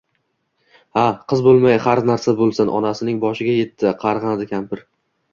Ha, qiz bo`lmay har narsa bo`lsin, otasining boshiga etdi, qarg`andi kampir